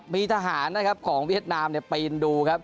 มีทหารของเวียดนามปีนดู